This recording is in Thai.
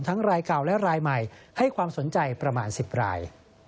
รายเก่าและรายใหม่ให้ความสนใจประมาณ๑๐ราย